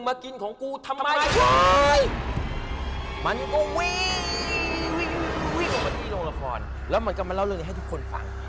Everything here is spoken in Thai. มันก็กิน